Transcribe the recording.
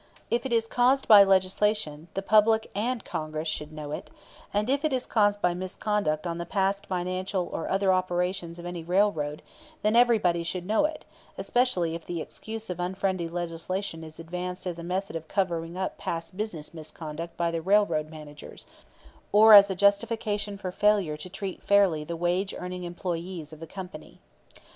If it is caused by legislation, the public, and Congress, should know it; and if it is caused by misconduct in the past financial or other operations of any railroad, then everybody should know it, especially if the excuse of unfriendly legislation is advanced as a method of covering up past business misconduct by the railroad managers, or as a justification for failure to treat fairly the wage earning employees of the company.